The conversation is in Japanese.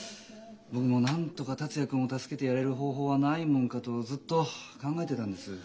僕もなんとか達也君を助けてやれる方法はないもんかとずっと考えてたんです。